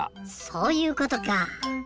そういうことか。